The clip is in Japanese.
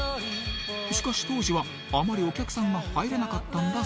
しかし当時はあまりお客さんが入らなかったんだ